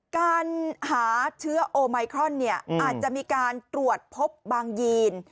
การหาเชื้อโอไมครอนเนี่ยอาจจะมีการตรวจพบบางยีน